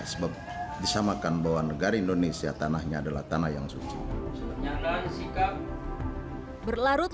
sebab disamakan bahwa negara indonesia tanahnya adalah tanah yang suci berlarut